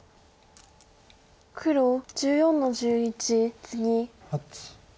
黒１４の十一ツギ。